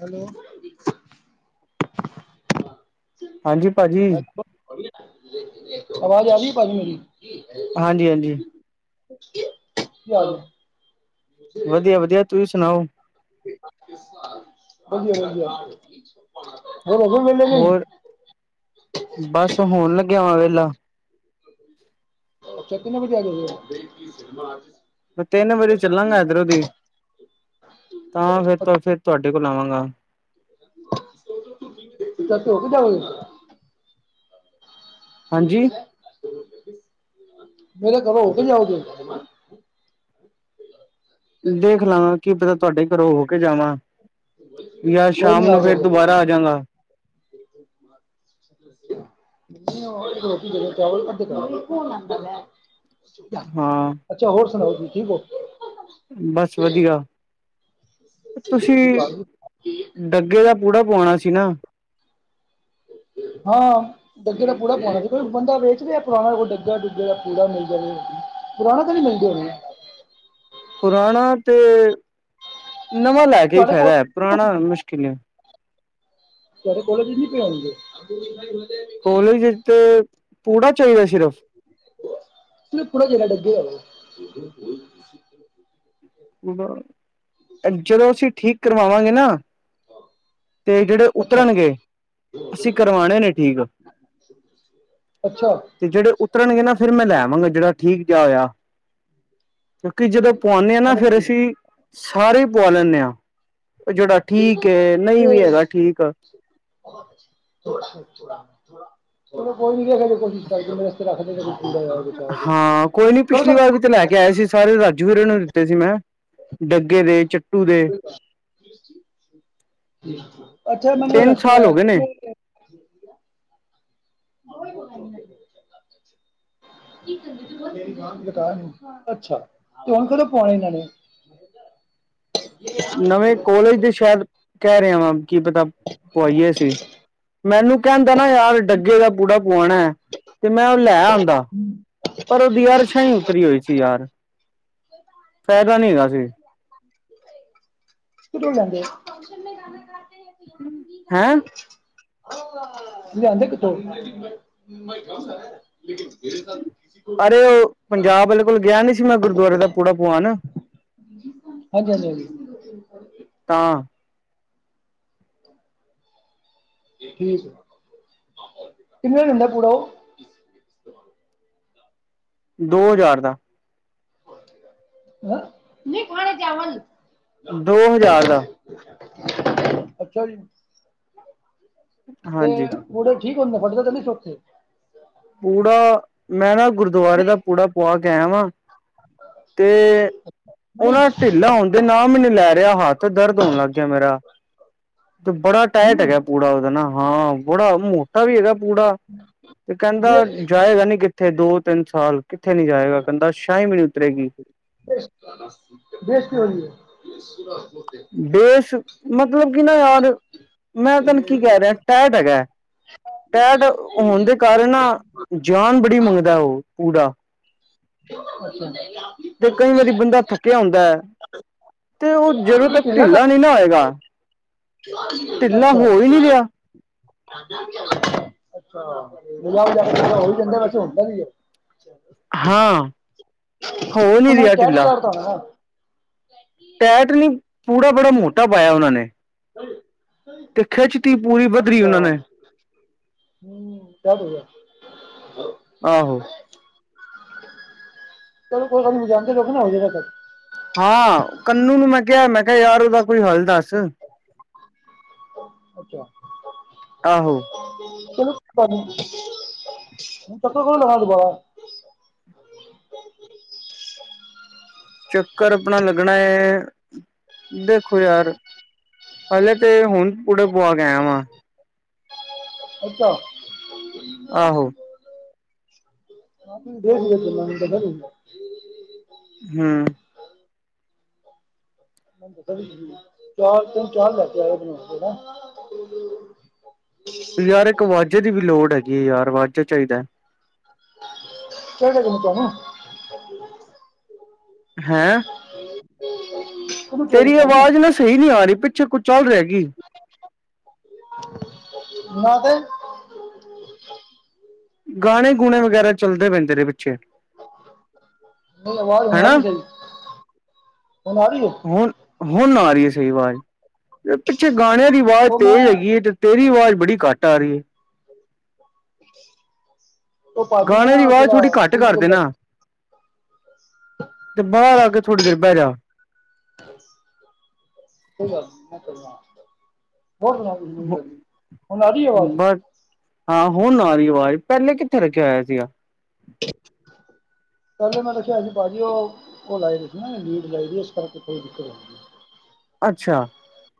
Hello ਹਾਂਜੀ ਭਾਜੀ ਆਵਾਜ਼ ਆ ਰਹੀ ਭਾਜੀ, ਮੇਰੀ ਹਾਂਜੀ ਹਾਂਜੀ [unintelligible] ਵਧੀਆ ਵਧੀਆ ਤੁਸੀਂ ਸੁਨਾਓ ਵਧੀਆ ਵਧੀਆ ਹੋਰ ਹੋ ਗਏ ਵਿਹਲੇ ਨਹੀਂ ਹੋਰ, ਬਸ ਹੋਣ ਲੱਗਿਆ ਵਾਂ ਵੇਲਾ ਅਛਾ, ਕਿੰਨੇ ਵਜੇ ਆ ਜੋਗੇ? ਤਿੰਨ ਵਜੇ ਚੱਲਾਂਗਾ ਇੱਧਰੋਂ ਦੀ ਤਾਂ ਫਿਰ ਤੋਂ ਫਿਰ ਤੁਹਾਡੇ ਕੋਲ ਆਵਾਂਗਾ ਸਿਰ ਧੋ ਕੇ ਜਾਓਗੇ ਹਾਂਜੀ ਦੇਖਾ ਏ। ਮੇਰੇ ਘਰੋਂ ਹੋ ਕੇ ਜਾਉਗੇ? ਦੇਖ ਲਾਗਾ, ਕੀ ਪਤਾ ਤੁਹਾਡੇ ਘਰੋਂ ਹੋ ਕੇ ਜਾਵਾਂ। ਯਾਰ ਕੋਈ ਨੀ ਸ਼ਾਮ ਆ ਨੂੰ ਫੇਰ ਦੁਬਾਰਾ ਜਾਏਗਾ ਆਜਾਗਾ। [unintelligible] ਹਾਂ ਅੱਛਾ, ਹੋਰ ਸੁਣਾਓ ਤੁਸੀਂ ਠੀਕ ਹੋ? ਬਸ ਵਧੀਆ, ਤੁਸੀਂ ਹੋ ਡੱਗੇ ਦਾ ਪੂੜਾ ਖੂਆਣਾ ਸੀ ਨਾ। [unintelligible] ਹਾਂ, ਡੱਗੇ ਦਾ ਪੂੜਾ ਪਾਉਣਾ ਸੀ, ਕੋਈ ਬੰਦਾ ਵੇਚ ਰਿਹਾ ਪੁਰਾਣਾ, ਕੋਈ ਡੱਗਾ ਡੁੱਗੇ ਦਾ ਪੂੜਾ ਮਿਲ ਪੁਰਾਣਾ ਤਾਂ ਨੀ ਮਿਲਦੀ ਹੋਣੀ। ਪੁਰਾਣਾ ਤੇ, ਨਵਾਂ ਲੈ ਕੇ ਹੀ ਤੁਹਾਡੇ ਫਾਇਦਾ ਐ ਕੋਲਜ ਪੁਰਾਣਾ ਮੁਸ਼ਕਿਲ ਆ। ਤੁਹਾਡੇ ਕੋਲੇਜ ਨੀ ਪਾਉਣਗੇ। ਕੋਲੇਜ ਇਚ ਤੇ ਪੂੜਾ ਚਾਹੀਦਾ ਸਿਰਫ ਸਿਰਫ ਪੂੜਾ ਜਿਹੜਾ ਡੱਗੇ ਦਾ [unintelligible] ਜਦੋਂ ਅਸੀਂ ਠੀਕ ਕਰਵਾਵਾਂਗੇ ਨਾ ਤੇ ਜਿਹੜੇ ਅੱਛਾ ਉਤਰਨਗੇ। ਅਸੀਂ ਕਰਵਾਣੇ ਨੇ ਠੀਕ। ਅੱਛਾ ਤੇ ਜਿਹੜੇ ਉਤਰਨਗੇ ਨਾ ਫਿਰ ਮੈਂ ਲੈ ਆਵਾਂਗਾ, ਜਿਹੜਾ ਠੀਕ ਜਿਹਾ ਹੋਇਆ। ਕਿਉਂਕਿ ਜਦੋਂ ਪੁਆਉਂਦੇ ਹਾਂ ਨਾ, ਫੇਰ ਅਸੀਂ ਸਾਰੇ ਹੀ ਪਵਾ ਲੈਂਦੇ ਆ। ਉਹ ਜਿਹੜਾ ਠੀਕ ਏ, ਨਹੀਂ ਵੀ ਹੈਗਾ ਠੀਕ। ਚਲੋ ਕੋਈ ਨੀ ਕੋਸ਼ਿਸ਼ ਕਰਕੇ, ਰੱਖ ਲੈਨਾ ਮੇਰੇ ਵਾਸਤੇ। ਪੂੜਾ ਯਾਰ ਬਚਾ ਕੇ ਹਾਂ, ਕੋਈ ਨੀ ਕਦੋਂ ਪਿਛਲੀ ਵਾਰ ਵੀ ਤੇ ਲੈ ਤੱਕ ਕੇ ਆਏ ਸੀ, ਸਾਰੇ ਰੱਖ ਜਗੀਰੇ ਨੂੰ ਦਿੱਤੇ ਸੀ ਮੈਂ ਡੱਗੇ ਦੇ, ਚੱਟੂ ਦੇ [unintelligible] ਅੱਛਾ ਮੈਨੂੰ ਤਿੰਨ ਇਸ ਸਾਲ ਹੋ ਗਏ ਨੇ ਤਰ੍ਹਾਂ [unintelligible] ਅੱਛਾ ਤੇ ਹੁਣ ਕਦੋਂ ਪਾਉਣੇ ਇਹਨਾਂ ਨੇ। [unintelligible] ਨਵੇਂ ਕੋਲੇਜ ਦੇ ਸ਼ਾਇਦ ਕਹਿ ਰਿਹਾ ਵਾਂ, ਕੀ ਪਤਾ ਪਵਾਈਏ ਅਸੀਂ। ਮੈਨੂੰ ਕਹਿੰਦਾ ਨਾ ਯਾਰ ਡੱਗੇ ਦਾ ਪੂੜਾ ਪੁਆਣਾ ਐ, ਤੇ ਮੈਂ ਉਹ ਲੈ ਆਉਂਦਾ। ਪਰ ਉਹਦੀ ਯਰਛਾ ਹੀ ਉਤਰੀ ਹੋਈ ਸੀ ਯਾਰ, ਫਾਇਦਾ ਨਹੀਂ ਹੈਗਾ ਸੀ। ਹੈਂ [unintelligible] ਲਿਆਂਦੇ ਕਿੱਥੋਂ? ਅਰੇ ਉਹ ਪੰਜਾਬ ਕੋਲ ਗਿਆ ਨੀ ਸੀ, ਮੈਂ ਗੁਰਦੁਆਰੇ ਦਾ ਪੂੜਾ ਪਵਾਨ। ਹਾਂਜੀ ਹਾਂਜੀ ਹਾਂਜੀ। ਹਾਂ। ਕਿੰਨੇ ਦਾ ਦਿੰਦਾ ਪੂੜਾ ਉਹ। ਦੋ ਹਜ਼ਾਰ ਦਾ। ਨਹੀਂ ਖਾਣੇ ਚਾਵਲ। ਦੋ ਹਜ਼ਾਰ ਦਾ। ਅੱਛਾ ਜੀ। ਤੇ ਹਾਂਜੀ ਮੂੜੇ ਠੀਕ ਹੁੰਦੇ, ਫੁੱਟਦੇ ਕੇ ਨੀ ਛੇਤੀ । ਪੂੜਾ, ਮੈਂ ਨਾ ਗੁਰਦੁਆਰੇ ਦਾ ਪੂੜਾ ਪੁਆ ਕੇ ਆਇਆ ਵਾ। ਤੇ ਔ ਨਾ ਢਿੱਲਾ ਹੋਣ ਦੇ ਨਾਮ ਨਹੀਂ ਲੈ ਰਿਹਾ, ਹੱਥ ਦਰਦ ਹੋਣ ਲੱਗ ਗਿਆ ਮੇਰਾ। ਤੇ ਬੜਾ ਟਾਈਟ ਹੂੰ ਹੈਗਾ ਪੂੜਾ ਉਹਦਾ ਨਾ, ਹਾਂ ਬੜਾ ਮੋਟਾ ਵੀ ਹੈਗਾ। ਪੂੜਾ ਹਮ ਤੇ [inaudible] ਕਹਿੰਦਾ ਜਾਏਗਾ ਨੀ ਕਿੱਥੇ ਦੋ- ਤਿੰਨ ਸਾਲ ਕਿੱਥੇ ਨੀ ਜਾਏਗਾ। ਕਹਿੰਦਾ ਸ਼ਾਹੀ ਵੀ ਨੀ ਉਤਰੇਗੀ। ਬੇਸਤੀ ਹੋ ਰਹੀ ਹੈ ਬੇਸ਼ ਮਤਲਬ ਕਿ ਨਾ ਯਾਰ ਮੈਂ ਤੈਨੂੰ ਕੀ ਕਹਿ ਰਿਹਾ, ਟੈਟ ਹੈਗਾ। ਟੈਟ ਹੋਣ ਦੇ ਕਾਰਨ ਨਾ ਜਾਨ ਬੜੀ ਮੰਗਦਾ, ਉਹ ਪੂੜਾ ਅੱਛਾ [inaudible] ਤੇ ਕਈ ਵਾਰੀ ਬੰਦਾ ਥੱਕਿਆ ਹੁੰਦਾ ਹੈ। ਤੇ ਉਹ ਜਦੋਂ ਤੱਕ ਇਹ ਢਿੱਲਾ ਨਹੀਂ ਨਾ ਕੰਮ ਹੋਏਗਾ [unintelligible] ਢਿੱਲਾ ਅੱਛਾ [inaudible] ਹੋ ਹੀ ਨਹੀਂ ਰਿਹਾ ਅੱਛਾ [inaudible] ਵੈਸੇ ਹੂੰਦਾ ਵੀ ਏ। ਹਾਂ। ਹੋ ਨਈ ਉਹਨਾਂ ਨੇ ਰਿਆ ਟੈਟ ਢਿੱਲਾ, ਚਾੜਤਾ ਹੋਣਾ ਨਾ ਟੈਟ ਨੀ ਪੂੜਾ ਬੜਾ ਮੋਟਾ ਪਾਇਆ ਉਹਨਾਂ ਨੇ। [inaudible] ਤੇ ਖਿੱਚਤੀ ਪੂਰੀ ਵੱਧਰੀ ਅੱਛਾ ਉਹਨਾਂ ਨੇ ਹੂੰ [unintelligible] [inaudible] ਆਹੋ। ਚਲੋ ਕੋਈ ਗੱਲ ਨੀ ਵਜਾਂਦੇ ਰੋ ਗੇ ਨਾ ਹੋਜਏਗਾ ਕਲ। ਹਾਂ, ਕੰਨੂ ਨੂੰ ਮੈਂ ਕਿਆ, ਮੈਂ ਕਿਆ ਯਾਰ ਉਹਦਾ ਕੋਈ ਹੱਲ ਦੱਸ। ਅੱਛਾ। ਆਹੋ। [unintelligible] ਚੱਕਰ ਅਪਣਾ ਲੱਗਣਾ ਏ, ਦੇਖੋ ਯਾਰ ਪਹਿਲੇ ਤੇ ਹੁਣ ਪੂੜਾ ਪੁਆ ਕੇ ਆਯਾ ਵਾ। ਅੱਛਾ। ਆਹੋ। [unintelligible] ਹੂੰ। [unintelligible] ਯਾਰ ਇੱਕ ਵਾਜ਼ੇ ਦੀ ਵੀ ਲੋੜ ਹੈਗੀ ਏ ਯਾਰ ਵਾਜਾ ਚਾਹੀਦਾ। [unintelligible] ਹੈਂ। ਕਿਹਨੂੰ ਚਾਹੀਦਾ ਤੇਰੀ ਤੁਹਾਨੂੰ ਆਵਾਜ਼ ਨਾ ਸਈ ਨਈ ਆ ਰਈ, ਪਿੱਛੇ ਕੁਛ ਚੱਲ ਰਿਆ ਕਿ? ਮੈਂ ਤੇ ਗਾਣੇ, ਗੂਣੇ ਵਗੈਰਾ ਚੱਲਦੇ ਪਏ ਨ। ਤੇਰੇ ਪਿੱਛੇ ਨਹੀਂ ਆਵਾਜ਼ ਹੁਣ ਆ ਹੈਨਾ ਰਹੀ ਸਹੀ ਹੁਣ ਆ ਰਹੀ ਹੈ ਹੁਣ, ਹੁਣ ਆ ਰਹੀ ਐ, ਸਈ ਆਵਾਜ਼। ਪਿੱਛੇ ਗਾਣਿਆਂ ਦੀ ਵਾਜ਼ ਉਹ ਮੈਂ ਤੇਜ਼ ਹੈਗੀ ਤੇ ਤੇਰੀ ਆਵਾਜ਼ ਬੜੀ ਘੱਟ ਟਾਰੀ। ਉਹ ਭਜੀ ਗਾਣੇ ਦੀ ਆਵਾਜ਼ ਥੋੜੀ ਘੱਟ ਕਰ ਨੇ [unintelligible] ਦੇਨਾ ਤੇ ਬਾਅਰ ਆ ਕੇ ਥੋੜ੍ਹੀ ਦੇਰ ਬੈਜਾ। ਨਾ ਕਰ [unintelligible] ਬਹੁਤ ਵਾਜ [unintelligible] ਕਰਦੀ ਹੁਣ ਆ ਰਈ ਏ ਵਾਜ। ਬਸ ਹਾਂ ਹੁਣ ਆ ਰਈ ਆਵਾਜ਼, ਪਹਿਲੇ ਕਿੱਥੇ ਰੱਖਿਆ ਹੋਇਆ ਸੀਆ? [inaudible] ਪਹਿਲੇ ਮੈਂ ਰਖਿਆ ਸੀ ਭਾਜੀ ਉਹ, ਉਹ ਲਾਈ ਦੀ ਸੀ ਨਾ ਲੀਡ ਲਾਈ ਸੀ, ਇਸ ਕਰਕੇ ਕੋਈ ਦਿੱਕਤ [inaudible] ਅੱਛਾ।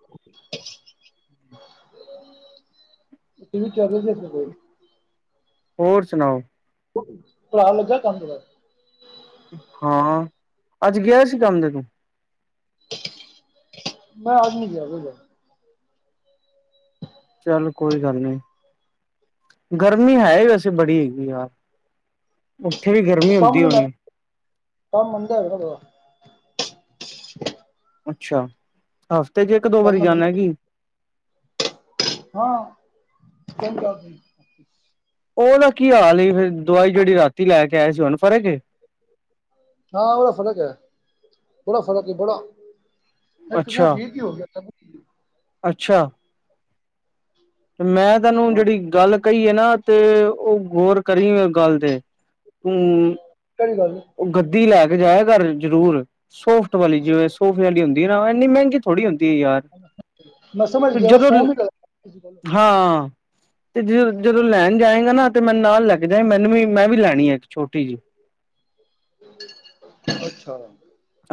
[inaudible] [unintelligible] ਹੋਰ ਸੁਣਾਓ? ਭਰਾ ਲੱਗਾ ਕੰਮ [unintelligible] ਹਾਂ ਅਜ ਗਿਆ ਸੀ ਕੰਮ ਦੇ ਤੂੰ ਬਾ ਆਜ ਨੀ ਗਿਆ ਵੇਲਾ। ਚਲ ਕੋਈ ਗੱਲ ਨੀ ਗਰਮੀ ਹੈ ਈ ਵੈਸੇ ਬੜੀ ਹੈਗੀ ਯਾਰ ਉਥੇ ਵੀ ਉਹ ਗਰਮੀ ਕੰਮ ਹੁੰਦੀ ਨੂੰ ਲੈ ਹੋਣੀ ਕੰਮ ਮੰਨਦਾ ਹੈਗਾ ਨ ਬੜਾ ਅੱਛਾ ਹਫਤੇ ਚ ਇਕ ਦੋ ਕੰਮ ਵਾਰੀ ਨਾ ਜਾਣਾ ਮੰਦਾ ਕੀ ਹਾਂ ਹੁਣ ਦਸ ਉਹ ਤਾਂ ਕੀ ਹਾਲ ਸੀ ਫਿਰ ਦਵਾਈ ਜਿਹੜੀ ਰਾਤੀ ਲੈ ਕੇ ਆਏ ਸੀ ਉਹਨੂੰ ਫਰਕ ਹਾਂ ਬੜਾ ਫ਼ਰਕ ਹੈ। ਬੜਾ ਫ਼ਰਕ ਹੈ। ਬੜਾ- ਆ ਇਕ ਸਭ ਅੱਛਾ ਠੀਕ ਹੋ ਗਿਆ ਅੱਛਾ ਮੈਂ ਤੁਹਾਨੂੰ ਹਾਂ ਜਿਹੜੀ ਗੱਲ ਕਹੀਏ ਨਾ ਤੇ ਉਹ ਗੋਰ ਕਰੀ ਗਲ ਤੇ ਤੂੰ ਕਿਹੜੀ ਗੱਲ ਉਹ ਗੱਦੀ ਲੈ ਕੇ ਜਾਇ ਘਰ ਜ਼ਰੂਰ ਸੋਫਟ ਵਾਲੀ ਜਿਵੇ ਸੋਫੇ ਵਾਲੀ ਹੁਦੀ ਨਾ ਇਨੀ ਮਹਿਗੀ ਕਿ ਯਾਰ ਮੈਂ ਸਮਝ ਤੇ ਗਿਆ ਬਸ ਜਦੋ ਫੋਨ ਹੀ ਕਰ ਕਿਸੇ ਕੋਲ ਹਾਂ ਤੇ ਜ ਜਦੋਂ ਲੈਣ ਜਾਏਗਾ ਨਾ ਤੇ ਮੈ ਨਾਲ ਲੈਕੇ ਜਾਏ ਮੈਨੂੰ ਵੀ ਮੈ ਵੀ ਲੈਣੀ ਆ ਇੱਕ ਛੋਟੀ ਜਿਹੀ ਅੱਛਾ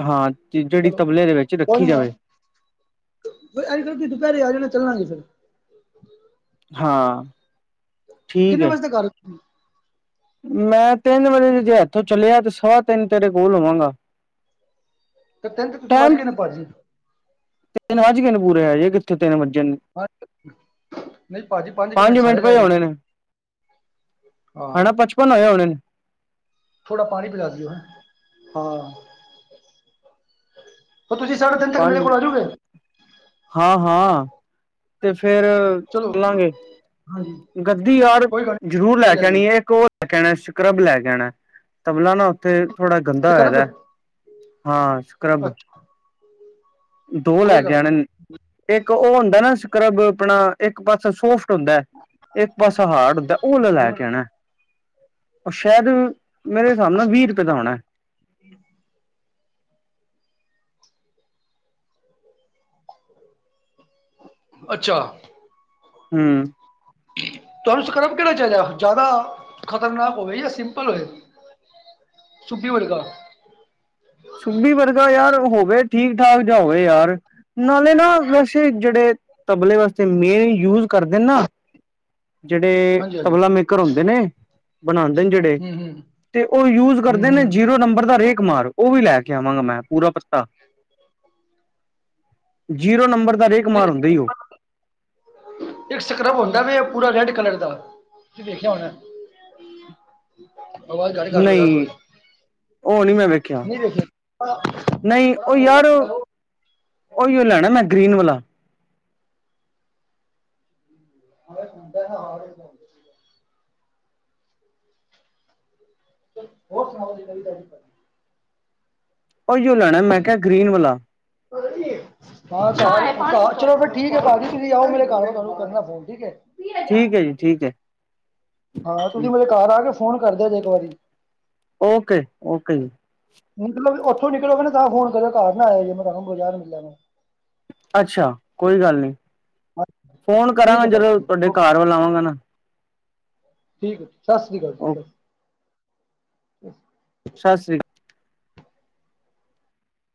ਹਾਂ ਜਿਹੜੀ ਚਲੋ ਤਬਲੇ ਦੇ ਵਿਚ ਕੋਈ ਰਖੀ ਨਾ ਜਾਵੇ। ਦੁਪਹਿਰੇ ਆ ਜਾਣਾ ਮੈਂ ਚਲਾਗੀ ਫਿਰ ਹਾਂ ਠੀਕ ਹੈ। ਹੂ- ਮੈਂ ਤਿਨ ਵਜੇ ਜੇ ਏਥੋਂ ਚਲਿਆ ਤੇ ਸਵਾ ਤਿਨ ਤੇਰੇ ਕੋਲ ਹੋਵਾਗਾ। ਤੇ ਤੀਨ ਤੁਸੀ ਵਜ ਗਏ ਨੇ ਭਜੀ ਤਿਨ ਵਜ ਕੇ ਪੂਰੇ ਹੈ। ਜੇ ਕਥੇ ਤਿਨ ਵਜੇ। ਹਾਂ ਨਹੀਂ ਭਾਜੀ ਮਿੰਟ ਪੰਜ ਮਿਟ ਸਾਰੇ ਰਹਿ ਪਹਿਲੇ ਗਏ ਆਉਣੇ ਨੇ। ਹਾਂ ਹਲੇ ਪਚਪਨ ਹੋਇਆ ਹੋਣੇ ਨੇ। ਥੋੜਾ ਪਾਣੀ ਪਿਲਾ ਦਿਓ ਹੈ। ਹਾਂ- ਤੁਸੀ ਸਾਢੇ ਤਿਨ ਤਕ ਮੇਰੇ ਪੰਜ ਕੋਲ ਆਜੋਗੇ। ਫਿਰ ਚਲਾਗੇ ਹਾਂਜੀ ਗਦੀ ਯਾਰ ਕੋਈ ਗੱਲ ਜਰੂਰ ਲੈ ਕੇ ਨੀ ਆਣੀ ਹੈ। ਇਕ ਹੋ ਕਹਿਣਾ ਸਕਰੱਬ ਲੈ ਕੇ ਆਣਾ ਤਬਲਾ ਨਾ ਉਥੇ ਥੋੜਾ ਗੰਦਾ ਹੋਏ ਸਕਰਬ ਦਾ ਹਾਂ ਸਕ੍ਰਬ- ਅੱਛਾ ਦੋ ਲੈ ਕੋਈ ਕੇ ਗੱਲ ਨੀ ਆਣੇ ਇਕ ਉਹ ਹੁੰਦਾ ਨਾ ਸਕਰਬ ਆਪਣਾ ਇਕ ਪਾਸੇ ਸੋਫ ਹੁਦਾ ਇਕ ਪਾਸਾ ਹਾਰਡ ਹੁਦਾ ਉਹ ਲੈ ਹੂੰ ਕੇ ਆਉਣਾ ਉਹ ਸ਼ਾਇਦ ਮੇਰੇ ਹਿਸਾਬ ਨਾਲ ਵੀਹ ਰੁਪਏ ਦਾ ਹੋਣਾ [inaudible] ਅੱਛਾ- ਹੂ- ਤੁੂੰ ਸਕਰਬ ਕਿਹੜ ਚਾਹੀਦਾ ਜ਼ਿਆਦਾ ਖ਼ਤਰਨਾਕ ਹੋਵੇ ਜਾਂ ਸਿਪਲ ਹੋਵੇ। ਸੁਪੀ ਵਰਗਾ- ਸਬੀ ਵਧਗਾ ਯਾਰ ਹੋਵੇ ਠੀਕ ਠਾਕ ਜਾ ਹੋਵੇ ਯਾਰ ਨਾਲੇ ਨਾ ਵੈਸੇ ਜਿਹੜੇ ਤਬਲੇ ਵਾਸਤੇ ਮੇਨ ਯੂਜ ਕਰਦੇ ਨੇ ਨਾ ਜਿਹੜੇ ਹਾਂਜੀ ਹਾਂਜੀ ਤਬਲਾ ਮੇਕਰ ਹੁੰਦੇ ਨੇ ਬਣਾਉਦੇ ਨੇ ਜਿਹੜੇ ਹੂੰ ਹੂੰ ਤੇ ਉਹ ਯੂਜ ਹੂੰ ਕਰਦੇ ਨੇ ਹੂੰ ਜੀਰੋ ਨੰਬਰ ਦਾ ਰੇਕਮਾਰ ਉਹ ਵੀ ਲੈ ਕੇ ਲਿਆਵਾਂਗਾ ਮੈਂ ਪੂਰਾ ਪਤਾ ਜੀਰੋ ਨੰਬਰ ਦਾ ਨਹੀਂ ਰੇਕਮਾਰ ਹੁੰਦਾ ਈ ਉਹ ਇੱਕ ਸਕਰਬ ਹੁੰਦਾ ਵੇ ਪੂਰਾ ਰੈਡ ਕਲਰ ਦਾ ਵੇਖਿਆ ਹੋਇਆ ਆਵਾਜ਼ ਘੱਟ ਲ ਨਹੀਂ ਥੋੜੀ ਉਹ ਨਹੀਂ ਮੈਂ ਵੇਖਿਆ ਨਹੀਂ ਦੇਖਿਆ ਬੜਾ ਨਹੀਂ ਬੜਾ ਉਹ ਮੋਟਾ ਯਾਰ ਹੁੰਦਾ ਉਹ। ਉਹੀ ਲੈਣਾ ਮੈਂ ਗਰੀਨ ਵਾਲਾ [unintelligible] ਹੋਰ ਸੁਣਾਓ ਜ ਨਵੀ ਤਾਜੀ ਉਹੀਓ ਲੈਣਾ ਮੈਂ ਕਿਹਾ ਗਰੀਨ ਵਾਲਾ ਚਲੋ ਫ ਠੀਕ ਹੈ ਭਾਜੀ ਤੁਸੀਂ ਆਓ ਮੇਰੇ ਘਰ ਤੁਹਾਨੂੰ ਕਰਨਾ ਫੋਨ ਠੀਕ ਹੈ ਠੀਕ ਹੈ ਜੀ ਠੀਕ ਹੈ ਹਾਂ ਤੁਸੀਂ ਮੇਰੇ ਘਰ ਆ ਕੇ ਫੋਨ ਕਰਦੇ ਜੇ ਇੱਕ ਵਾਰੀ ਓਕੇ -ਓਕੇ - ਮਤਲਬ ਓਥੋਂ ਨਿਕਲੇ ਹੈ ਤਾਂ ਫੋਨ ਕਰਨਾ ਘਰ ਨਾ ਆਇਆ ਜੇ ਮੇ ਤੁਹਾਨੂੰ ਬਾਜ਼ਾਰ ਮਿਲਾਂਗਾ ਅੱਛਾ ਕੋਈ ਗੱਲ ਨੀ ਫੋਨ ਠੀਕ ਕਰਾਂਗਾ ਹੈ ਭਾਜੀ ਜਦੋਂ ਠੀਕ ਤੁਹਾਡੇ ਓਕੇ ਘਰ ਵੱਲ ਆਵਾਂਗਾ ਨਾ ਠੀਕ ਏ ਜੀ ਸਤਿ ਸ਼੍ਰੀ ਓ ਅਕਾਲ ਜੀ ਸਤਿ ਸ਼੍ਰੀ